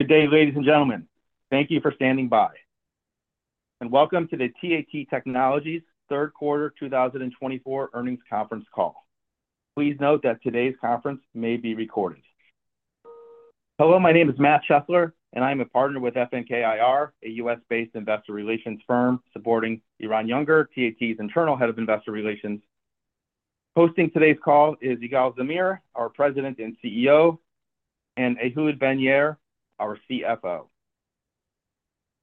Good day, ladies and gentlemen. Thank you for standing by. Welcome to the TAT Technologies third quarter 2024 earnings conference call. Please note that today's conference may be recorded. Hello, my name is Matt Chesler, and I am a Partner with FNK IR, a U.S.-based investor relations firm supporting Eran Yunger, TAT's internal head of investor relations. Hosting today's call is Igal Zamir, our President and CEO, and Ehud Ben-Yair, our CFO.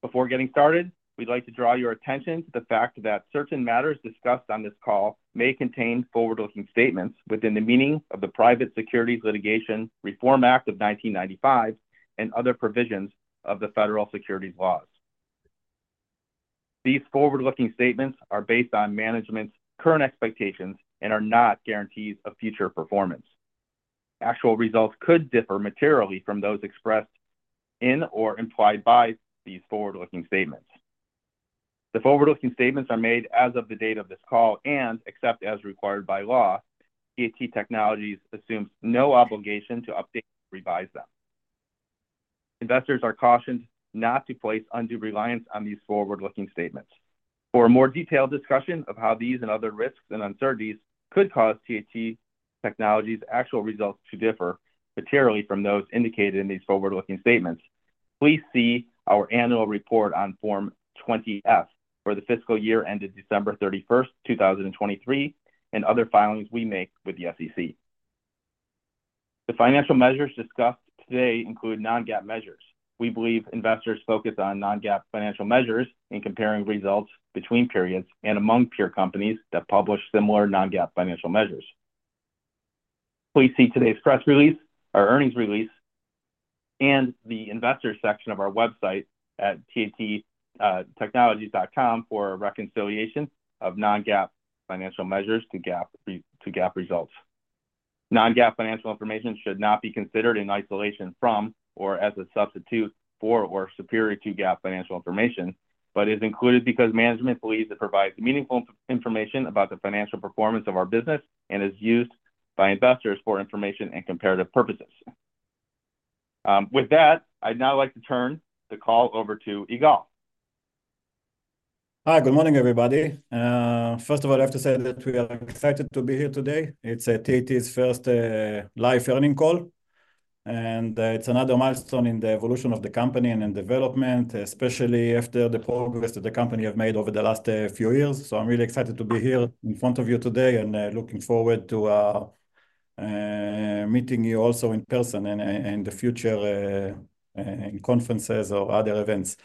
Before getting started, we'd like to draw your attention to the fact that certain matters discussed on this call may contain forward-looking statements within the meaning of the Private Securities Litigation Reform Act of 1995 and other provisions of the Federal Securities laws. These forward-looking statements are based on management's current expectations and are not guarantees of future performance. Actual results could differ materially from those expressed in or implied by these forward-looking statements. The forward-looking statements are made as of the date of this call. Except as required by law, TAT Technologies assumes no obligation to update or revise them. Investors are cautioned not to place undue reliance on these forward-looking statements. For a more detailed discussion of how these and other risks and uncertainties could cause TAT Technologies actual results to differ materially from those indicated in these forward-looking statements, please see our annual report on Form 20-F for the fiscal year ended December 31st, 2023, and other filings we make with the SEC. The financial measures discussed today include non-GAAP measures. We believe investors focus on non-GAAP financial measures in comparing results between periods and among peer companies that publish similar non-GAAP financial measures. Please see today's press release, our earnings release, and the investors section of our website at tattechnologies.com for a reconciliation of non-GAAP financial measures to GAAP results. Non-GAAP financial information should not be considered in isolation from, or as a substitute for, or superior to GAAP financial information, but is included because management believes it provides meaningful information about the financial performance of our business and is used by investors for information and comparative purposes. With that, I'd now like to turn the call over to Igal. Hi. Good morning, everybody. First of all, I have to say that we are excited to be here today. It's TAT's first live earnings call, and it's another milestone in the evolution of the company and in development, especially after the progress that the company have made over the last few years. I'm really excited to be here in front of you today, and looking forward to meeting you also in person in the future in conferences or other events.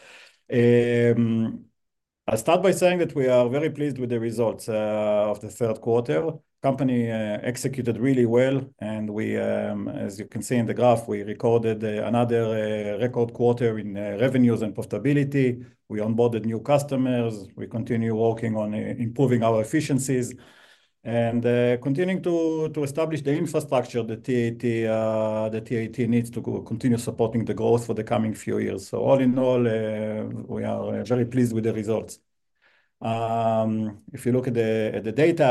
I'll start by saying that we are very pleased with the results of the third quarter. Company executed really well, and as you can see in the graph, we recorded another record quarter in revenues and profitability. We onboarded new customers. We continue working on improving our efficiencies and continuing to establish the infrastructure that TAT needs to continue supporting the growth for the coming few years. All in all, we are very pleased with the results. If you look at the data,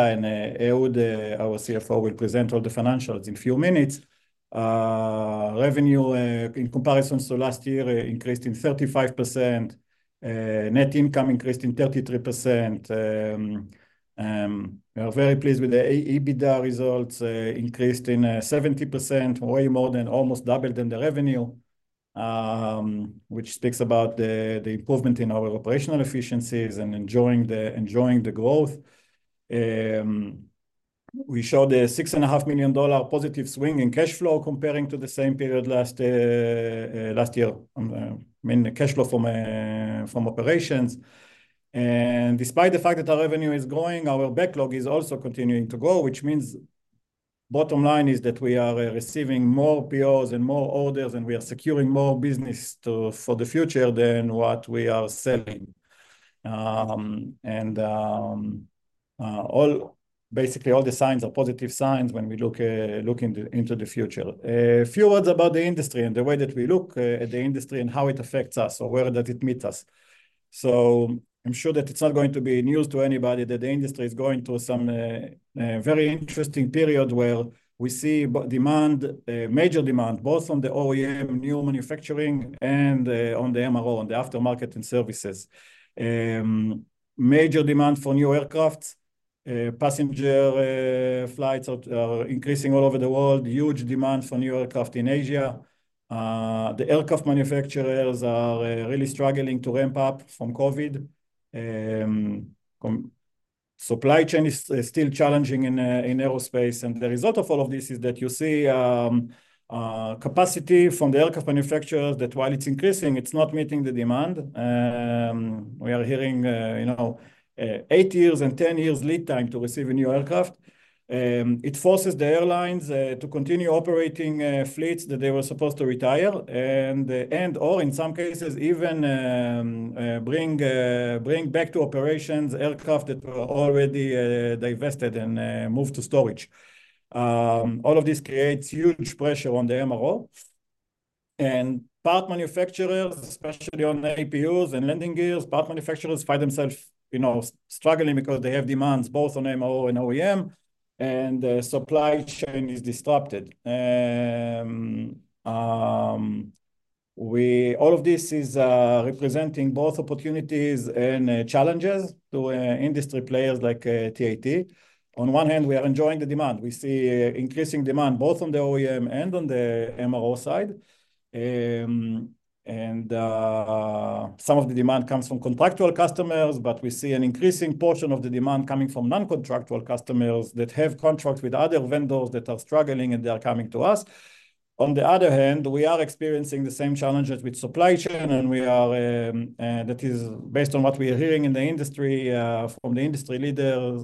Ehud, our CFO, will present all the financials in few minutes. Revenue, in comparison to last year, increased in 35%. Net income increased in 33%. We are very pleased with the EBITDA results, increased in 70%, way more than almost doubled in the revenue, which speaks about the improvement in our operational efficiencies and enjoying the growth. We showed a $6.5 million positive swing in cash flow comparing to the same period last year, in cash flow from operations. Despite the fact that our revenue is growing, our backlog is also continuing to grow, which means bottom line is that we are receiving more POs and more orders, and we are securing more business for the future than what we are selling. Basically, all the signs are positive signs when we look into the future. A few words about the industry and the way that we look at the industry, and how it affects us or where that it meets us. I'm sure that it's not going to be news to anybody that the industry is going through some very interesting period where we see demand, major demand, both on the OEM, new manufacturing, and on the MRO, on the aftermarket and services. Major demand for new aircrafts. Passenger flights are increasing all over the world. Huge demand for new aircraft in Asia. The aircraft manufacturers are really struggling to ramp up from COVID. Supply chain is still challenging in aerospace, and the result of all of this is that you see capacity from the aircraft manufacturers that, while it's increasing, it's not meeting the demand. We are hearing eight years and 10 years lead time to receive a new aircraft. It forces the airlines to continue operating fleets that they were supposed to retire, and/or in some cases even bring back to operations aircraft that were already divested and moved to storage. All of this creates huge pressure on the MRO. Part manufacturers, especially on APUs and landing gears, part manufacturers find themselves struggling because they have demands both on MRO and OEM. The supply chain is disrupted. All of this is representing both opportunities and challenges to industry players like TAT. On one hand, we are enjoying the demand. We see increasing demand both on the OEM and on the MRO side. Some of the demand comes from contractual customers, but we see an increasing portion of the demand coming from non-contractual customers that have contracts with other vendors that are struggling, and they are coming to us. On the other hand, we are experiencing the same challenges with supply chain, and that is based on what we are hearing in the industry from the industry leaders,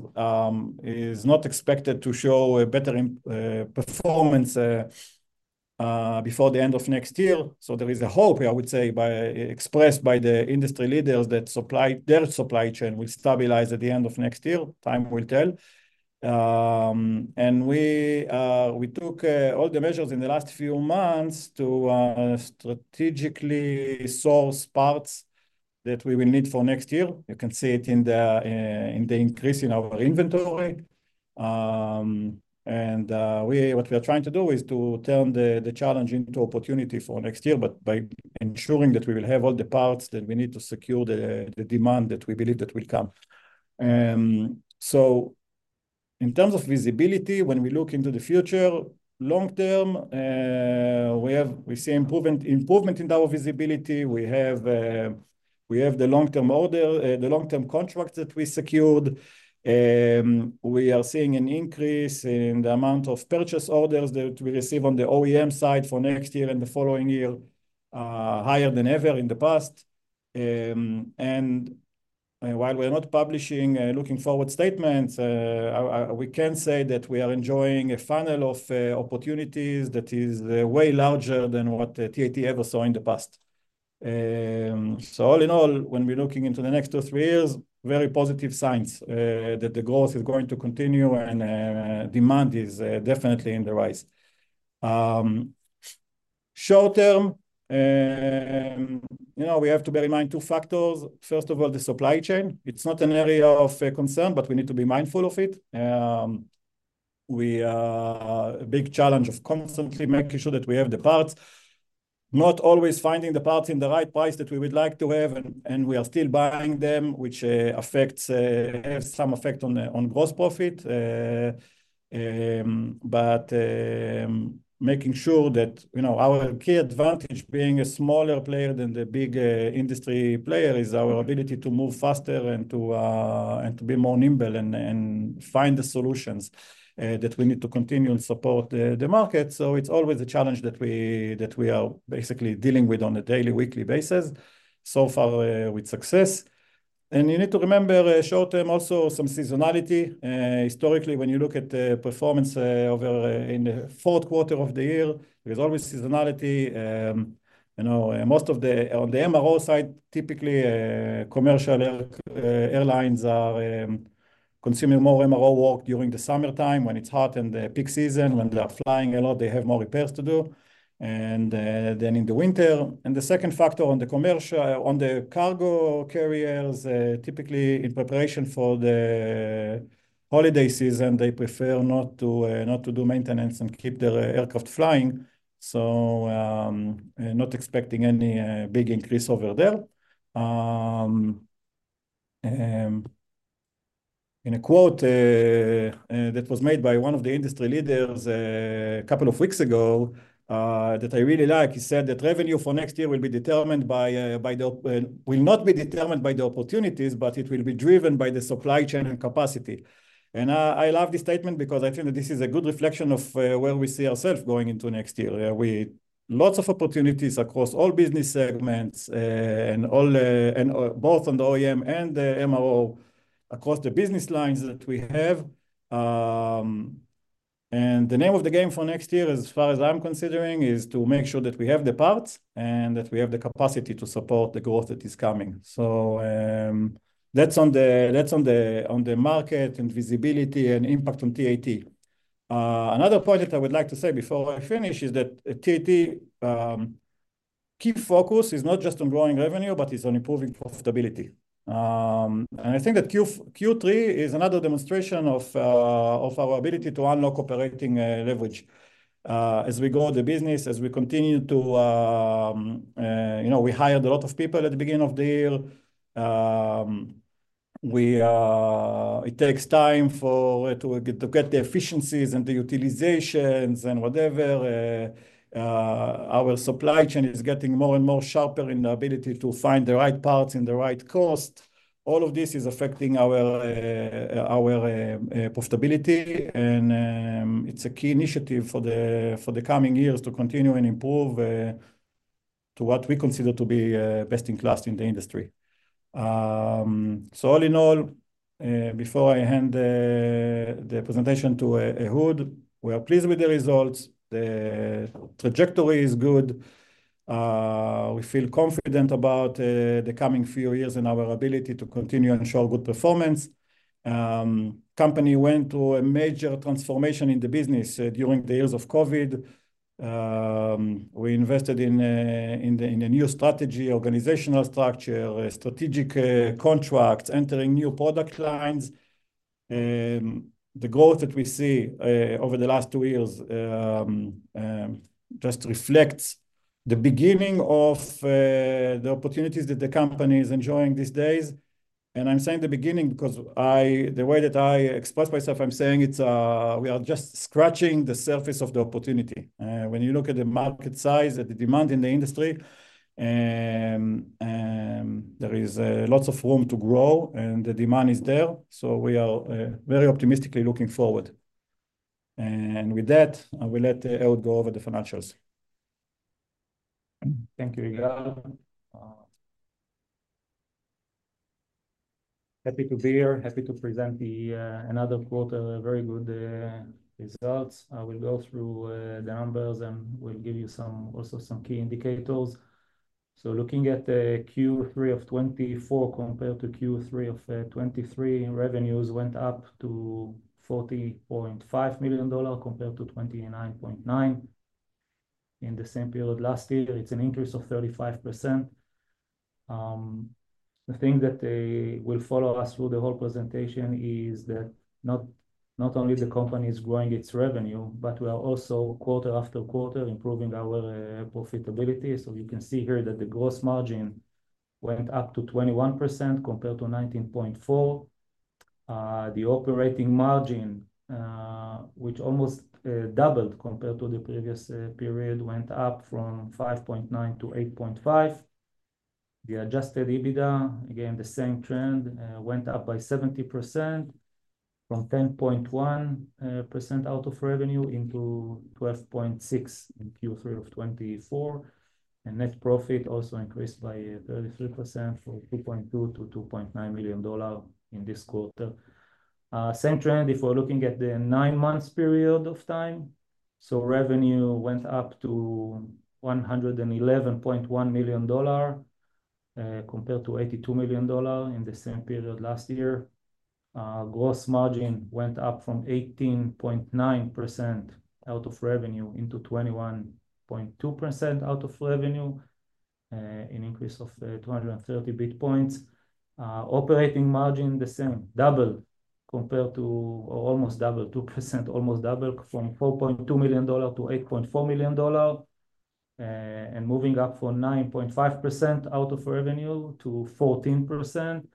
is not expected to show a better performance before the end of next year. There is a hope, I would say, expressed by the industry leaders that their supply chain will stabilize at the end of next year. Time will tell. We took all the measures in the last few months to strategically source parts that we will need for next year. You can see it in the increase in our inventory. What we are trying to do is to turn the challenge into opportunity for next year, by ensuring that we will have all the parts that we need to secure the demand that we believe that will come. In terms of visibility, when we look into the future, long term, we see improvement in our visibility. We have the long-term order, the long-term contracts that we secured. We are seeing an increase in the amount of purchase orders that we receive on the OEM side for next year and the following year, higher than ever in the past. While we are not publishing looking-forward statements, we can say that we are enjoying a funnel of opportunities that is way larger than what TAT ever saw in the past. All in all, when we're looking into the next two, three years, very positive signs that the growth is going to continue and demand is definitely on the rise. Short term, we have to bear in mind two factors. First of all, the supply chain. It's not an area of concern, we need to be mindful of it. A big challenge of constantly making sure that we have the parts, not always finding the parts in the right price that we would like to have, and we are still buying them, which has some effect on gross profit. Making sure that our key advantage, being a smaller player than the big industry player, is our ability to move faster and to be more nimble and find the solutions that we need to continue and support the market. It's always a challenge that we are basically dealing with on a daily, weekly basis, so far with success. You need to remember, short term, also some seasonality. Historically, when you look at the performance in the fourth quarter of the year, there's always seasonality. On the MRO side, typically commercial airlines are consuming more MRO work during the summertime, when it's hot in the peak season, when they are flying a lot, they have more repairs to do than in the winter. The second factor on the cargo carriers, typically in preparation for the holiday season, they prefer not to do maintenance and keep their aircraft flying. Not expecting any big increase over there. In a quote that was made by one of the industry leaders a couple of weeks ago that I really like, he said that revenue for next year will not be determined by the opportunities, it will be driven by the supply chain and capacity. I love this statement because I think that this is a good reflection of where we see ourselves going into next year. We have lots of opportunities across all business segments, both on the OEM and the MRO, across the business lines that we have. The name of the game for next year, as far as I'm considering, is to make sure that we have the parts and that we have the capacity to support the growth that is coming. That's on the market and visibility and impact on TAT. Another point that I would like to say before I finish is that TAT key focus is not just on growing revenue, but it's on improving profitability. I think that Q3 is another demonstration of our ability to unlock operating leverage. As we grow the business, as we continue. We hired a lot of people at the beginning of the year. It takes time to get the efficiencies and the utilizations and whatever. Our supply chain is getting more and more sharper in the ability to find the right parts in the right cost. All of this is affecting our profitability, and it's a key initiative for the coming years to continue and improve to what we consider to be best in class in the industry. All in all, before I hand the presentation to Ehud, we are pleased with the results. The trajectory is good. We feel confident about the coming few years and our ability to continue and show good performance. Company went through a major transformation in the business during the years of COVID. We invested in a new strategy, organizational structure, strategic contracts, entering new product lines. The growth that we see over the last 2 years just reflects the beginning of the opportunities that the company is enjoying these days. I'm saying the beginning because the way that I express myself, I'm saying we are just scratching the surface of the opportunity. When you look at the market size, at the demand in the industry, there is lots of room to grow, and the demand is there, so we are very optimistically looking forward. With that, I will let Ehud go over the financials. Thank you, Igal. Happy to be here, happy to present another quarter of very good results. I will go through the numbers, and will give you also some key indicators. Looking at the Q3 of 2024 compared to Q3 of 2023, revenues went up to $40.5 million compared to $29.9 million in the same period last year. It's an increase of 35%. The thing that will follow us through the whole presentation is that not only the company is growing its revenue, but we are also, quarter after quarter, improving our profitability. You can see here that the gross margin went up to 21% compared to 19.4%. The operating margin, which almost doubled compared to the previous period, went up from 5.9% to 8.5%. The adjusted EBITDA, again, the same trend, went up by 70%, from 10.1% out of revenue into 12.6% in Q3 of 2024. Net profit also increased by 33% from $2.2 million to $2.9 million in this quarter. Same trend if we're looking at the 9 months period of time. Revenue went up to $111.1 million, compared to $82 million in the same period last year. Gross margin went up from 18.9% out of revenue into 21.2% out of revenue, an increase of 230 BP. Operating margin, the same, doubled compared to, or almost double, 2%, almost double from $4.2 million to $8.4 million, and moving up from 9.5% out of revenue to 14%.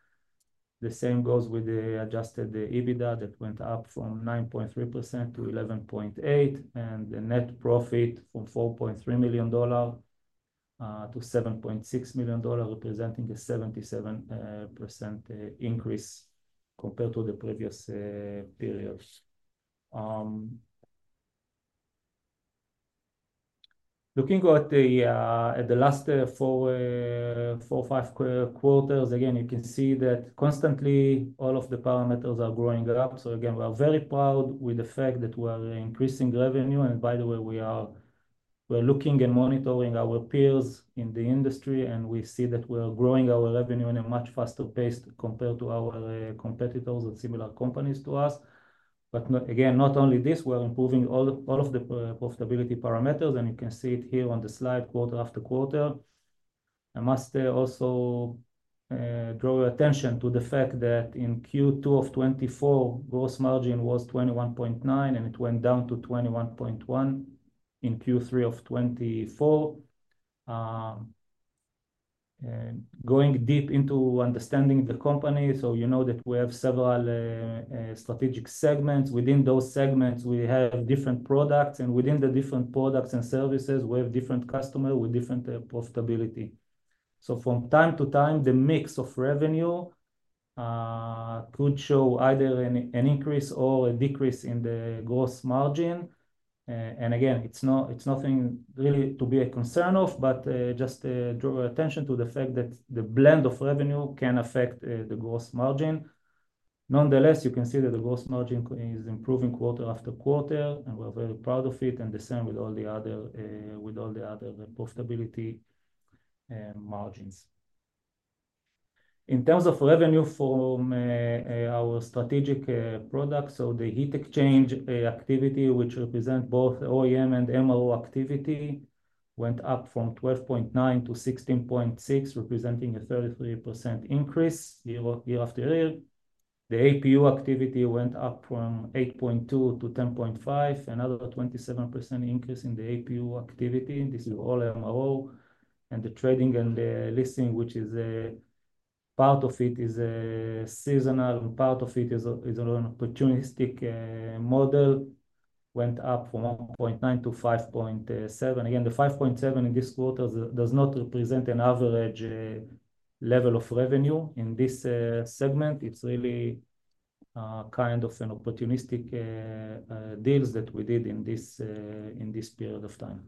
The same goes with the adjusted EBITDA. That went up from 9.3% to 11.8%, and the net profit from $4.3 million to $7.6 million, representing a 77% increase compared to the previous periods. Looking at the last 4 or 5 quarters, again, you can see that constantly, all of the parameters are growing up. Again, we are very proud with the fact that we are increasing revenue. By the way, we are looking and monitoring our peers in the industry, and we see that we are growing our revenue in a much faster pace compared to our competitors and similar companies to us. Again, not only this, we are improving all of the profitability parameters. You can see it here on the slide quarter after quarter. I must also draw your attention to the fact that in Q2 of 2024, gross margin was 21.9%, and it went down to 21.1% in Q3 of 2024. Going deep into understanding the company, you know that we have several strategic segments. Within those segments, we have different products, and within the different products and services, we have different customer with different profitability. From time to time, the mix of revenue could show either an increase or a decrease in the gross margin. Again, it's nothing really to be a concern of, but just draw your attention to the fact that the blend of revenue can affect the gross margin. Nonetheless, you can see that the gross margin is improving quarter after quarter. We're very proud of it, and the same with all the other profitability margins. In terms of revenue from our strategic products, the heat exchanger activity, which represent both OEM and MRO activity, went up from $12.9 million to $16.6 million, representing a 33% increase year-over-year. The APU activity went up from $8.2 million to $10.5 million, another 27% increase in the APU activity. This is all MRO. The trading and the leasing, which is a part of it is a seasonal, part of it is an opportunistic model, went up from $1.9 million to $5.7 million. Again, the $5.7 million in this quarter does not represent an average level of revenue in this segment. It's really kind of an opportunistic deals that we did in this period of time.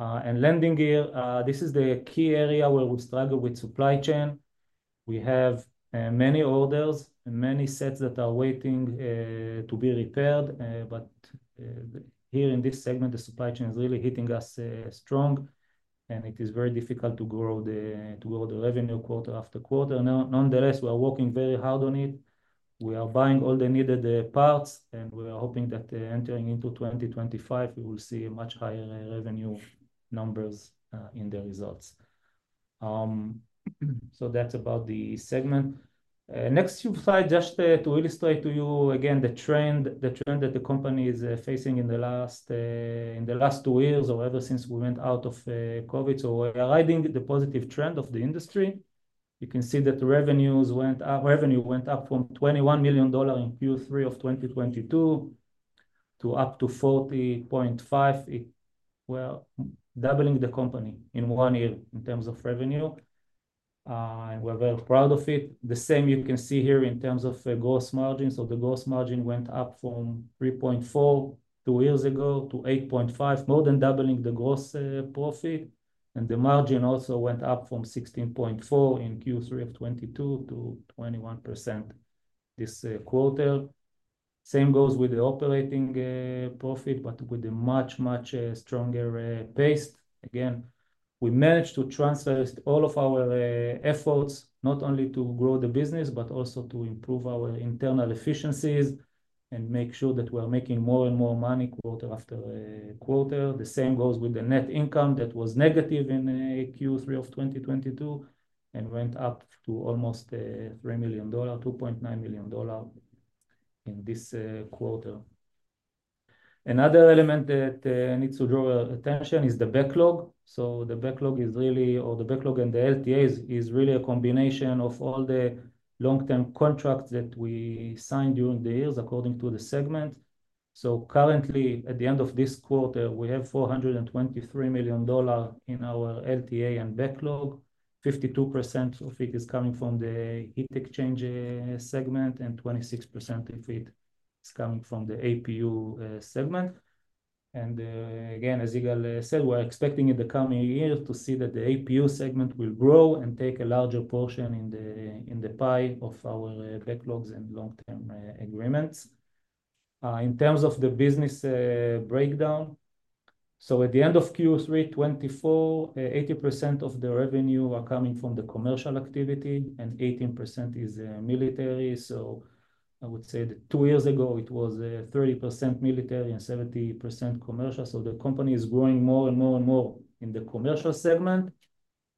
Landing gear, this is the key area where we struggle with supply chain. We have many orders and many sets that are waiting to be repaired. Here in this segment, the supply chain is really hitting us strong. It is very difficult to grow the revenue quarter after quarter. Nonetheless, we are working very hard on it. We are buying all the needed parts, and we are hoping that entering into 2025, we will see much higher revenue numbers in the results. That's about the segment. Next slide, just to illustrate to you again the trend that the company is facing in the last two years or ever since we went out of COVID. We're riding the positive trend of the industry. You can see that revenue went up from $21 million in Q3 of 2022 to up to $40.5 million. Doubling the company in one year in terms of revenue. We're very proud of it. The same you can see here in terms of gross margin. The gross margin went up from $3.4 million two years ago to $8.5 million, more than doubling the gross profit. The margin also went up from 16.4% in Q3 of 2022 to 21% this quarter. Same goes with the operating profit, with a much, much stronger pace. We managed to transfer all of our efforts, not only to grow the business, but also to improve our internal efficiencies and make sure that we are making more and more money quarter after quarter. The same goes with the net income that was negative in Q3 of 2022 and went up to almost $3 million, $2.9 million in this quarter. Another element that needs to draw attention is the backlog. The backlog and the LTAs is really a combination of all the long-term contracts that we signed during the years according to the segment. Currently, at the end of this quarter, we have $423 million in our LTA and backlog. 52% of it is coming from the heat exchange segment, and 26% of it is coming from the APU segment. Again, as Igal said, we're expecting in the coming years to see that the APU segment will grow and take a larger portion in the pie of our backlogs and long-term agreements. In terms of the business breakdown, at the end of Q3 2024, 80% of the revenue are coming from the commercial activity and 18% is military. I would say that two years ago it was 30% military and 70% commercial. The company is growing more and more in the commercial segment.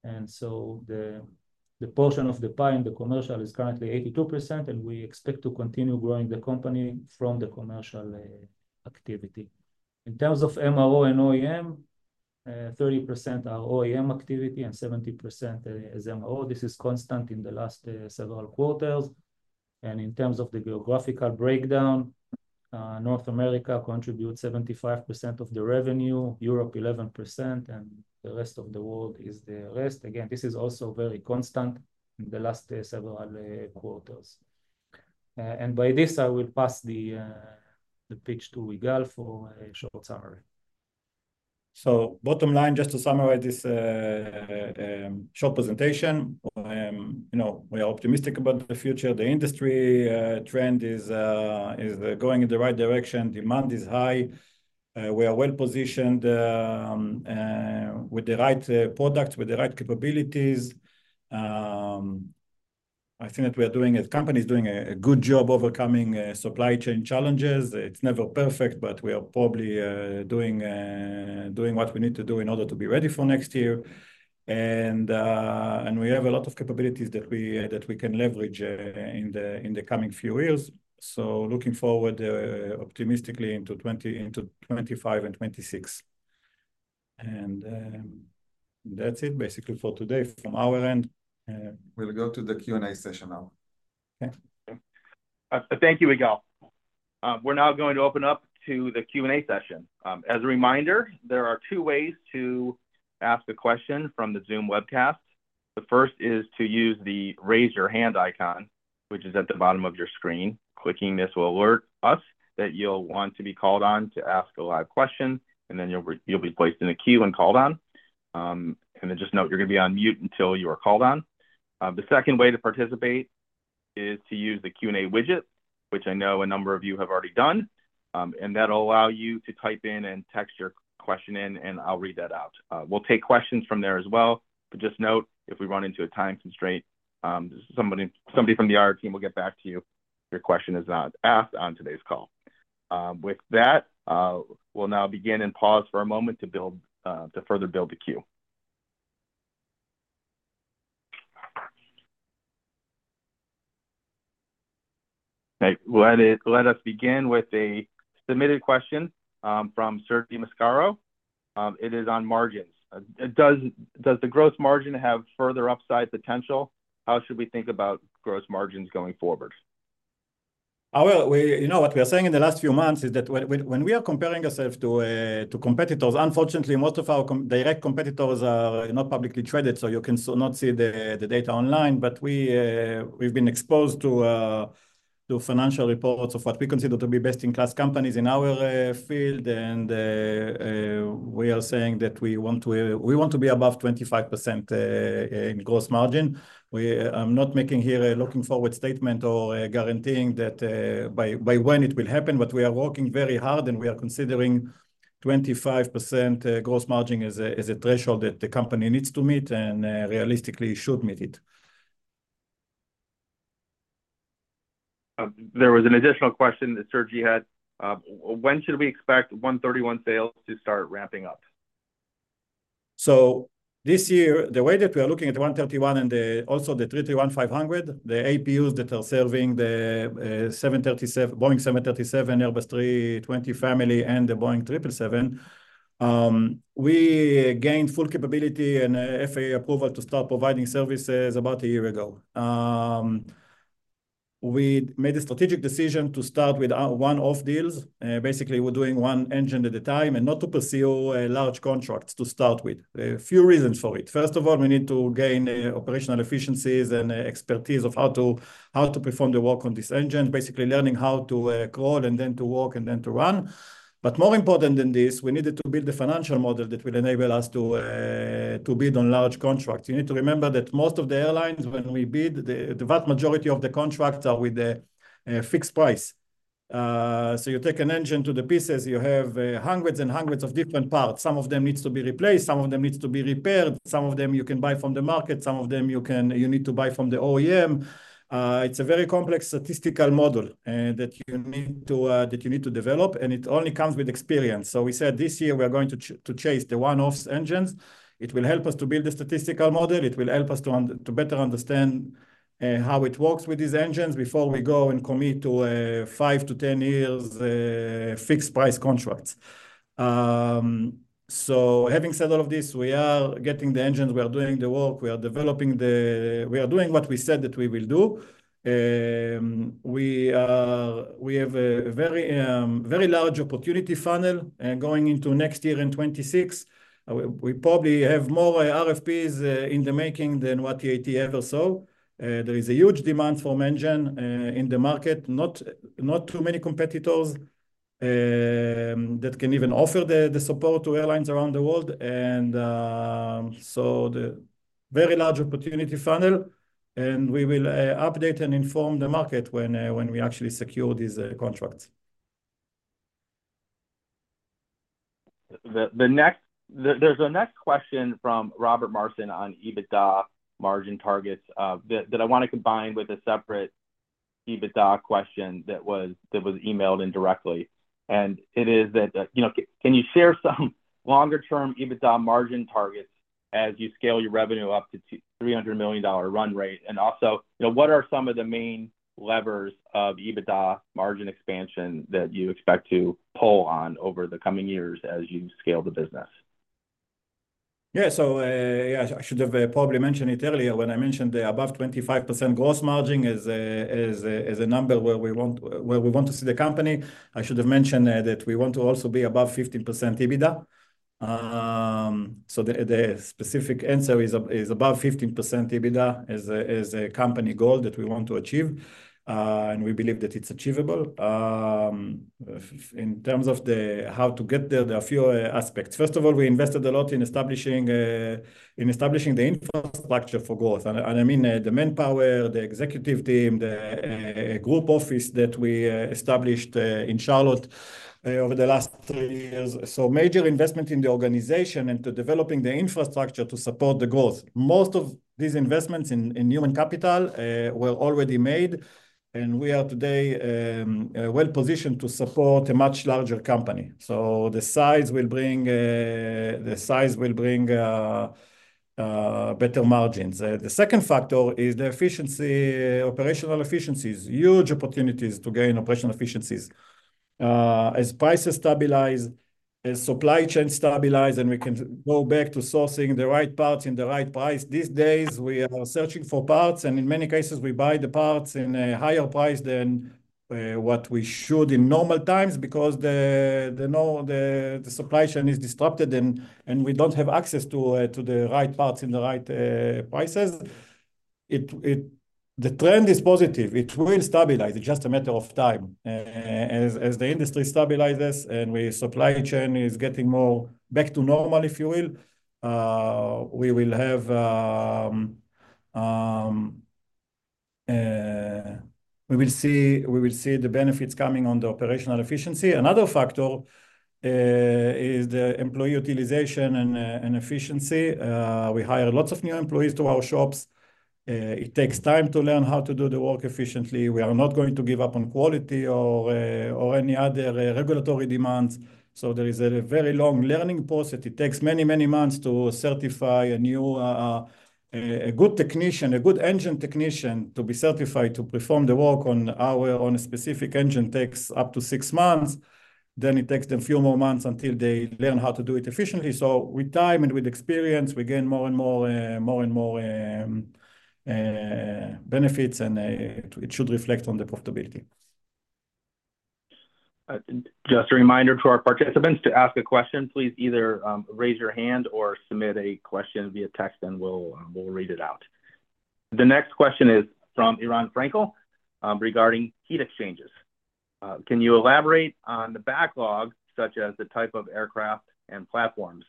The portion of the pie in the commercial is currently 82%, and we expect to continue growing the company from the commercial activity. In terms of MRO and OEM, 30% are OEM activity and 70% is MRO. This is constant in the last several quarters. In terms of the geographical breakdown, North America contributes 75% of the revenue, Europe 11%, and the rest of the world is the rest. Again, this is also very constant in the last several quarters. By this, I will pass the pitch to Igal for a short summary. Bottom line, just to summarize this short presentation, we are optimistic about the future. The industry trend is going in the right direction. Demand is high. We are well-positioned with the right products, with the right capabilities. I think that we, as company, is doing a good job overcoming supply chain challenges. It's never perfect, but we are probably doing what we need to do in order to be ready for next year. We have a lot of capabilities that we can leverage in the coming few years. Looking forward optimistically into 2025 and 2026. That's it basically for today from our end. We'll go to the Q&A session now. Okay. Thank you, Igal. We're now going to open up to the Q&A session. As a reminder, there are two ways to ask a question from the Zoom webcast. The first is to use the raise your hand icon, which is at the bottom of your screen. Clicking this will alert us that you'll want to be called on to ask a live question, then you'll be placed in a queue and called on. Just note, you're going to be on mute until you are called on. The second way to participate is to use the Q&A widget, which I know a number of you have already done. That'll allow you to type in and text your question in, and I'll read that out. We'll take questions from there as well, just note, if we run into a time constraint, somebody from the IR team will get back to you if your question is not asked on today's call. With that, we'll now begin and pause for a moment to further build the queue. Okay. Let us begin with a submitted question from Sergio Mascaro. It is on margins. Does the gross margin have further upside potential? How should we think about gross margins going forward? Well, what we are saying in the last few months is that when we are comparing ourselves to competitors, unfortunately, most of our direct competitors are not publicly traded, so you cannot see the data online. We've been exposed to financial reports of what we consider to be best-in-class companies in our field, we are saying that we want to be above 25% in gross margin. I'm not making here a looking-forward statement or guaranteeing by when it will happen, we are working very hard, we are considering 25% gross margin as a threshold that the company needs to meet and realistically should meet it. There was an additional question that Sergio had. When should we expect 131 sales to start ramping up? This year, the way that we are looking at 131 and also the 331-500, the APUs that are serving the Boeing 737, Airbus A320 family, and the Boeing 777. We gained full capability and FAA approval to start providing services about a year ago. We made a strategic decision to start with one-off deals. Basically, we're doing one engine at a time and not to pursue large contracts to start with. A few reasons for it. First of all, we need to gain operational efficiencies and expertise of how to perform the work on this engine, basically learning how to crawl and then to walk and then to run. More important than this, we needed to build a financial model that will enable us to bid on large contracts. You need to remember that most of the airlines, when we bid, the vast majority of the contracts are with a fixed price. You take an engine to the pieces, you have hundreds and hundreds of different parts. Some of them needs to be replaced, some of them needs to be repaired, some of them you can buy from the market, some of them you need to buy from the OEM. It's a very complex statistical model that you need to develop, and it only comes with experience. We said this year we are going to chase the one-off engines. It will help us to build a statistical model. It will help us to better understand how it works with these engines before we go and commit to a 5-10 years fixed price contracts. Having said all of this, we are getting the engines, we are doing the work, we are doing what we said that we will do. We have a very large opportunity funnel going into next year in 2026. We probably have more RFPs in the making than what TAT ever saw. There is a huge demand for engine in the market. Not too many competitors that can even offer the support to airlines around the world, and so the very large opportunity funnel. We will update and inform the market when we actually secure these contracts. There's a next question from Robert Marson on EBITDA margin targets that I want to combine with a separate EBITDA question that was emailed in directly. It is that, can you share some longer-term EBITDA margin targets as you scale your revenue up to $300 million run rate? Also, what are some of the main levers of EBITDA margin expansion that you expect to pull on over the coming years as you scale the business? Yeah. I should have probably mentioned it earlier when I mentioned the above 25% gross margin as a number where we want to see the company. I should have mentioned that we want to also be above 15% EBITDA. The specific answer is above 15% EBITDA as a company goal that we want to achieve, and we believe that it's achievable. In terms of how to get there are a few aspects. First of all, we invested a lot in establishing the infrastructure for growth, and I mean the manpower, the executive team, the group office that we established in Charlotte over the last three years. Major investment in the organization into developing the infrastructure to support the growth. Most of these investments in human capital were already made, and we are today well-positioned to support a much larger company. The size will bring better margins. The second factor is the operational efficiencies, huge opportunities to gain operational efficiencies. As prices stabilize, as supply chain stabilize, and we can go back to sourcing the right parts in the right price. These days, we are searching for parts, and in many cases, we buy the parts in a higher price than what we should in normal times because the supply chain is disrupted, and we don't have access to the right parts in the right prices. The trend is positive. It will stabilize. It's just a matter of time. As the industry stabilizes and the supply chain is getting more back to normal, if you will, we will see the benefits coming on the operational efficiency. Another factor is the employee utilization and efficiency. We hire lots of new employees to our shops. It takes time to learn how to do the work efficiently. We are not going to give up on quality or any other regulatory demands, so there is a very long learning process. It takes many months to certify a good technician, a good engine technician, to be certified to perform the work on a specific engine takes up to six months, then it takes them few more months until they learn how to do it efficiently. With time and with experience, we gain more and more benefits, and it should reflect on the profitability. Just a reminder to our participants, to ask a question, please either raise your hand or submit a question via text, we'll read it out. The next question is from Eran Frankel regarding heat exchangers. Can you elaborate on the backlog, such as the type of aircraft and platforms,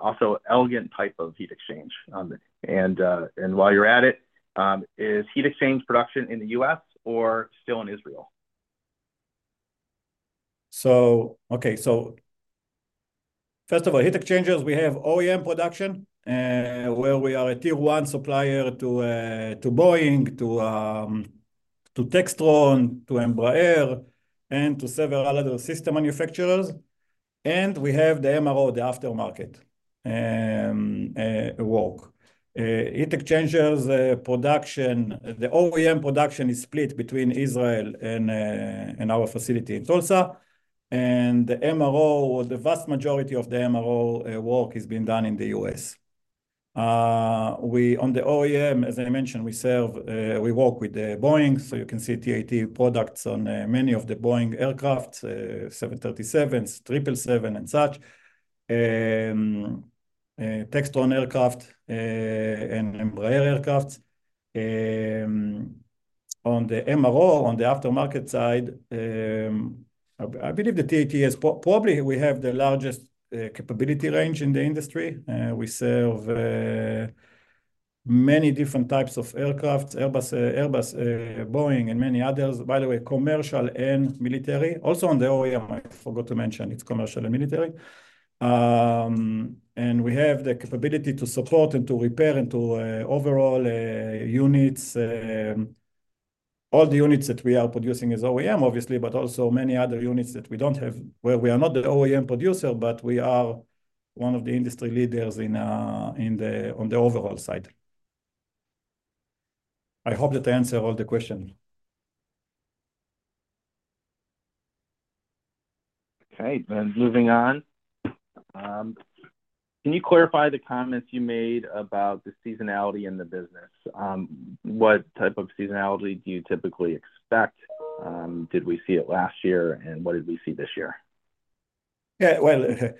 also elegant type of heat exchange? While you're at it, is heat exchange production in the U.S. or still in Israel? Okay. First of all, heat exchangers, we have OEM production, where we are a tier 1 supplier to Boeing, to Textron, to Embraer, to several other system manufacturers. We have the MRO, the aftermarket work. Heat exchangers production, the OEM production is split between Israel and our facility in Tulsa. The MRO, the vast majority of the MRO work is being done in the U.S. On the OEM, as I mentioned, we work with Boeing, so you can see TAT products on many of the Boeing aircraft, 737s, 777, such. Textron aircraft, Embraer aircraft. On the MRO, on the aftermarket side, I believe that TAT has probably the largest capability range in the industry. We serve many different types of aircraft, Airbus, Boeing, many others. By the way, commercial and military. Also on the OEM, I forgot to mention, it's commercial and military. We have the capability to support and to repair and to overhaul units. All the units that we are producing is OEM, obviously, but also many other units that we don't have, where we are not the OEM producer, but we are one of the industry leaders on the overhaul side. I hope that I answered all the questions. Okay, moving on. Can you clarify the comments you made about the seasonality in the business? What type of seasonality do you typically expect? Did we see it last year, what did we see this year? Well,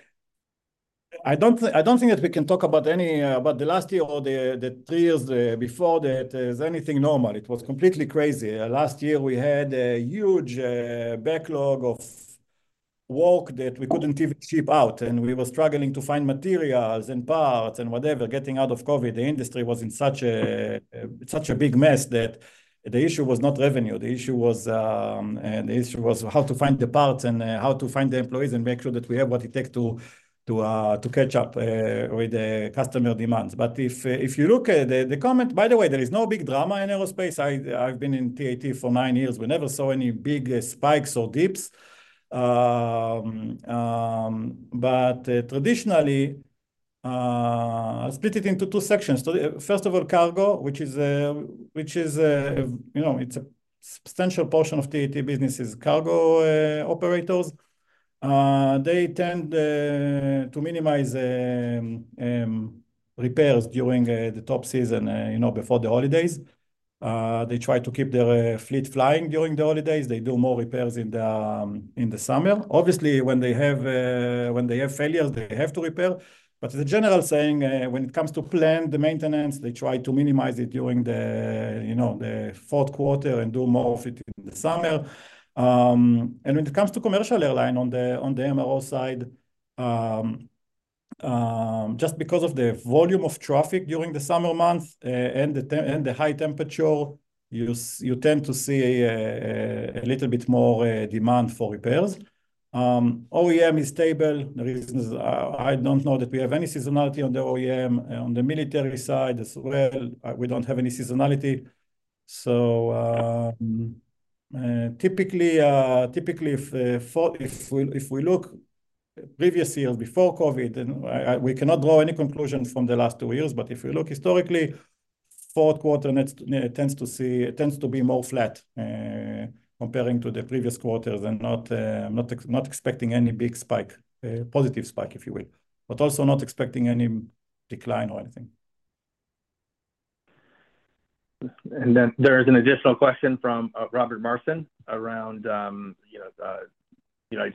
I don't think that we can talk about the last year or the three years before that as anything normal. It was completely crazy. Last year, we had a huge backlog of work that we couldn't even ship out, and we were struggling to find materials and parts and whatever, getting out of COVID. The industry was in such a big mess that the issue was not revenue, the issue was how to find the parts and how to find the employees and make sure that we have what it takes to catch up with the customer demands. If you look at the comment-- By the way, there is no big drama in aerospace. I've been in TAT for nine years. We never saw any big spikes or dips. Traditionally, split it into two sections. First of all, cargo, which it's a substantial portion of TAT business is cargo operators. They tend to minimize repairs during the top season before the holidays. They try to keep their fleet flying during the holidays. They do more repairs in the summer. Obviously, when they have failures, they have to repair. The general saying, when it comes to plan the maintenance, they try to minimize it during the fourth quarter and do more of it in the summer. When it comes to commercial airline on the MRO side, just because of the volume of traffic during the summer months, and the high temperature, you tend to see a little bit more demand for repairs. OEM is stable. The reason is, I don't know that we have any seasonality on the OEM. On the military side as well, we don't have any seasonality. Typically, if we look previous years before COVID, we cannot draw any conclusions from the last two years, if you look historically, fourth quarter tends to be more flat, comparing to the previous quarters and not expecting any big spike, positive spike if you will, also not expecting any decline or anything. There is an additional question from Robert Marson around the U.S.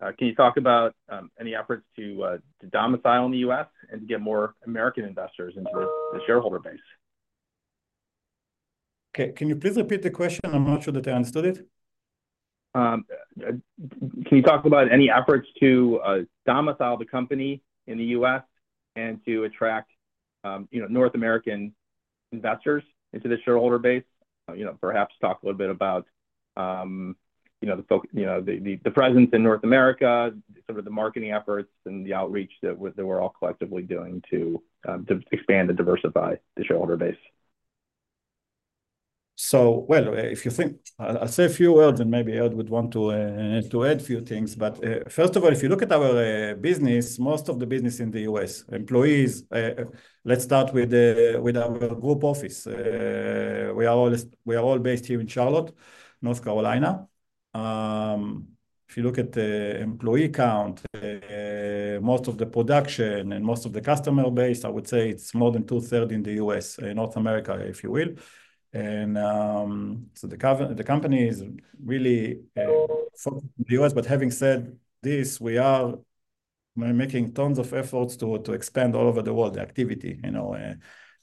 Can you talk about any efforts to domicile in the U.S. and to get more American investors into the shareholder base? Okay. Can you please repeat the question? I'm not sure that I understood it. Can you talk about any efforts to domicile the company in the U.S. and to attract North American investors into the shareholder base? Perhaps talk a little bit about the presence in North America, sort of the marketing efforts, and the outreach that we're all collectively doing to expand and diversify the shareholder base. Well, I'll say a few words, and maybe Ehud would want to add few things. First of all, if you look at our business, most of the business in the U.S. Employees, let's start with our group office. We are all based here in Charlotte, North Carolina. If you look at the employee count, most of the production, and most of the customer base, I would say it's more than two-third in the U.S., in North America, if you will. The company is really focused in the U.S., but having said this, we are making tons of efforts to expand all over the world, the activity.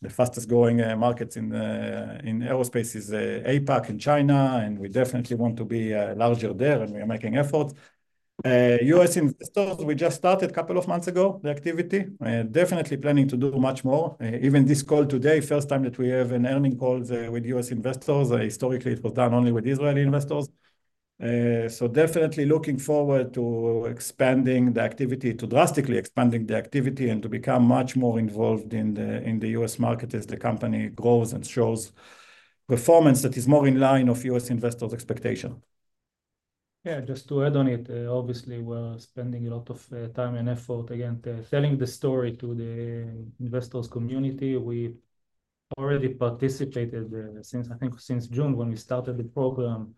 The fastest-growing markets in aerospace is APAC and China, and we definitely want to be larger there, and we are making efforts. U.S. investors, we just started a couple of months ago, the activity. Definitely planning to do much more. Even this call today, first time that we have an earning call with U.S. investors. Historically, it was done only with Israeli investors. Definitely looking forward to drastically expanding the activity, and to become much more involved in the U.S. market as the company grows and shows performance that is more in line of U.S. investors' expectation. just to add on it, obviously we're spending a lot of time and effort, again, telling the story to the investors community. We already participated, I think since June when we started the program.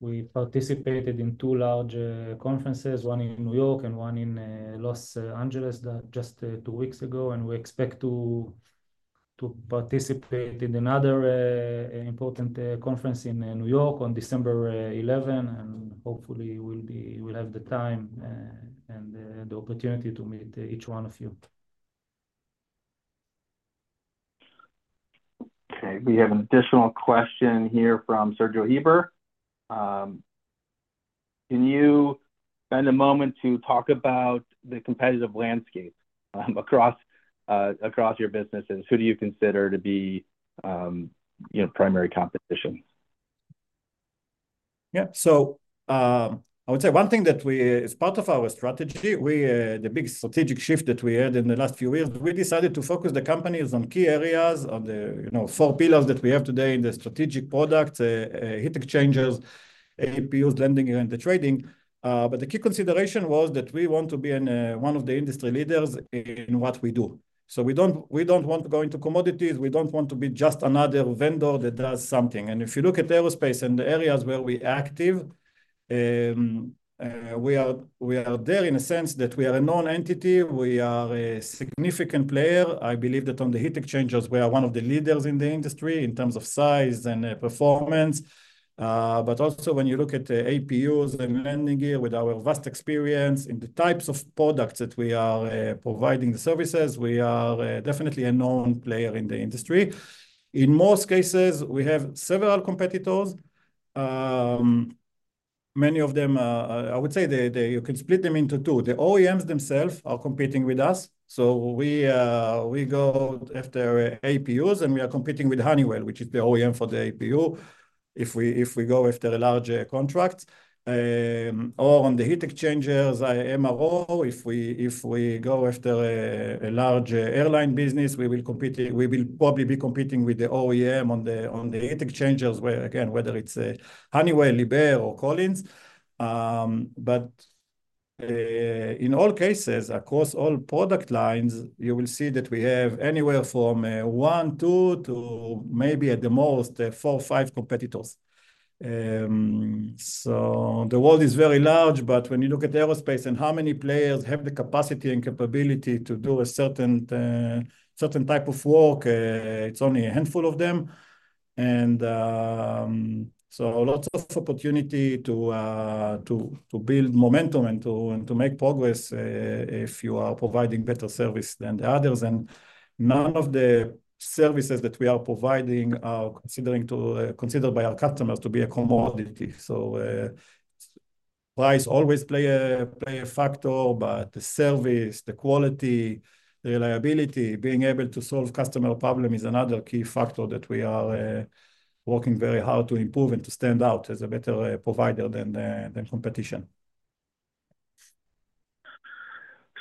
We participated in two large conferences, one in N.Y. and one in L.A. just two weeks ago, and we expect to participate in another important conference in N.Y. on December 11, and hopefully we'll have the time and the opportunity to meet each one of you. Okay. We have an additional question here from Sergio Heber. Can you spend a moment to talk about the competitive landscape across your businesses? Who do you consider to be primary competition? I would say one thing that as part of our strategy, the big strategic shift that we had in the last few years, we decided to focus the companies on key areas, on the four pillars that we have today in the strategic products, heat exchangers, APUs, landing gear, and the trading. The key consideration was that we want to be one of the industry leaders in what we do. We don't want to go into commodities. We don't want to be just another vendor that does something. If you look at aerospace and the areas where we're active, we are there in a sense that we are a known entity. We are a significant player. I believe that on the heat exchangers, we are one of the leaders in the industry in terms of size and performance. Also when you look at APUs and landing gear, with our vast experience in the types of products that we are providing the services, we are definitely a known player in the industry. In most cases, we have several competitors. Many of them, I would say you can split them into two. The OEMs themselves are competing with us, we go after APUs, and we are competing with Honeywell, which is the OEM for the APU, if we go after a large contract. On the heat exchangers, MRO, if we go after a large airline business, we will probably be competing with the OEM on the heat exchangers, where again, whether it's Honeywell, Liebherr, or Collins. In all cases, across all product lines, you will see that we have anywhere from one, two to maybe at the most, four or five competitors. The world is very large, but when you look at aerospace and how many players have the capacity and capability to do a certain type of work, it's only a handful of them. Lots of opportunity to build momentum and to make progress, if you are providing better service than the others. None of the services that we are providing are considered by our customers to be a commodity. Price always play a factor, but the service, the quality, reliability, being able to solve customer problem is another key factor that we are working very hard to improve and to stand out as a better provider than competition.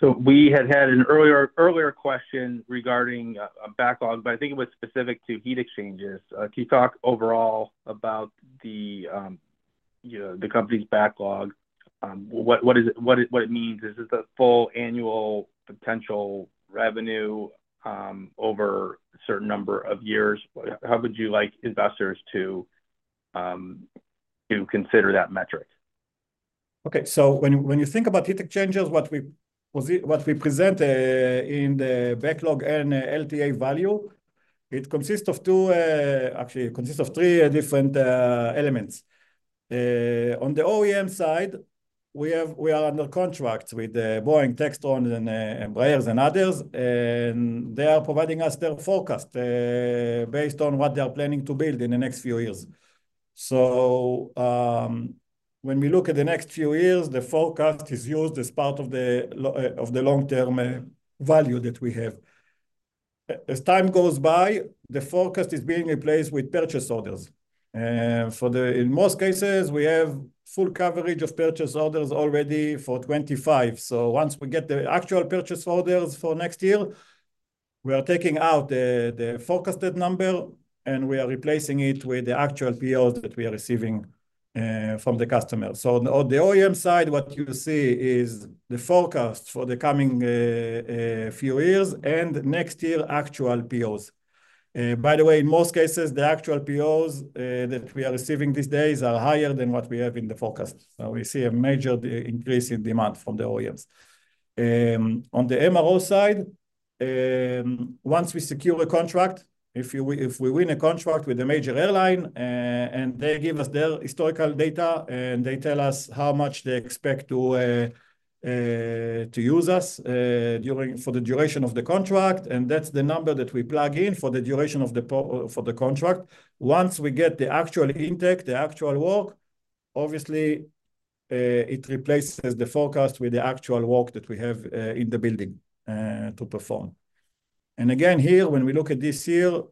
We had had an earlier question regarding a backlog, but I think it was specific to heat exchangers. Can you talk overall about the company's backlog? What it means? Is this a full annual potential revenue over a certain number of years? How would you like investors to consider that metric? When you think about heat exchangers, what we present in the backlog and LTA value, it actually consists of three different elements. On the OEM side, we are under contract with Boeing, Textron, and Embraer, and others, and they are providing us their forecast based on what they are planning to build in the next few years. When we look at the next few years, the forecast is used as part of the long-term value that we have. As time goes by, the forecast is being replaced with purchase orders. In most cases, we have full coverage of purchase orders already for 2025. Once we get the actual purchase orders for next year, we are taking out the forecasted number, and we are replacing it with the actual POs that we are receiving from the customer. On the OEM side, what you see is the forecast for the coming few years, and next year, actual POs. By the way, in most cases, the actual POs that we are receiving these days are higher than what we have in the forecast. We see a major increase in demand from the OEMs. On the MRO side, once we secure a contract, if we win a contract with a major airline, and they give us their historical data, and they tell us how much they expect to use us for the duration of the contract, and that's the number that we plug in for the duration for the contract. Once we get the actual intake, the actual work, obviously, it replaces the forecast with the actual work that we have in the building to perform. Again, here, when we look at this year,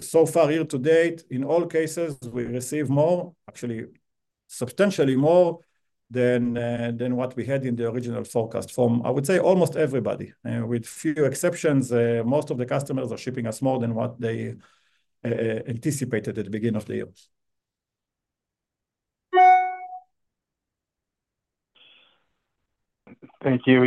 so far here to date, in all cases, we've received more, actually substantially more than what we had in the original forecast from, I would say almost everybody. With few exceptions, most of the customers are shipping us more than what they anticipated at the beginning of the year. Thank you,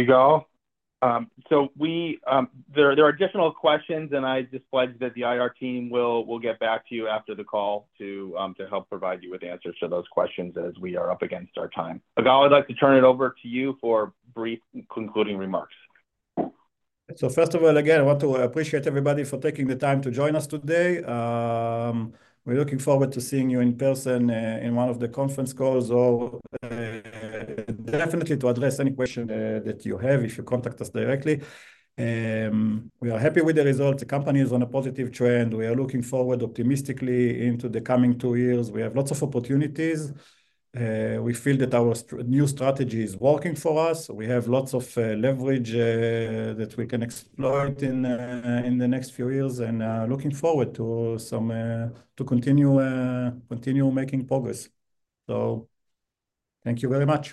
Yigal. There are additional questions, and I just pledge that the IR team will get back to you after the call to help provide you with answers to those questions as we are up against our time. Yigal, I'd like to turn it over to you for brief concluding remarks. First of all, again, I want to appreciate everybody for taking the time to join us today. We're looking forward to seeing you in person, in one of the conference calls or definitely to address any question that you have if you contact us directly. We are happy with the results. The company is on a positive trend. We are looking forward optimistically into the coming two years. We have lots of opportunities. We feel that our new strategy is working for us. We have lots of leverage that we can explore in the next few years. Looking forward to continue making progress. Thank you very much